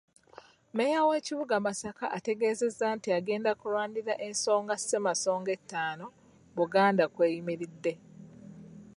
Mmeeya w'ekibuga Masaka ategeezezza nti agenda kulwanirira ensonga Ssemasonga ettaano, Buganda kw'eyimiridde.